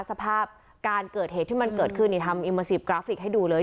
สภาพการเกิดเหตุที่มันเกิดขึ้นนี่ทำอิมเมอร์ซีฟกราฟิกให้ดูเลย